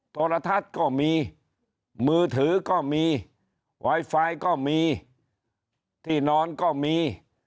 โทรทัศน์ก็มีมือถือก็มีไวไฟก็มีที่นอนก็มี